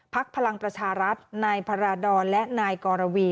พลังประชารัฐนายพระราดรและนายกรวี